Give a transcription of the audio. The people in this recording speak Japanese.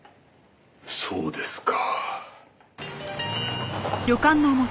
そうですか。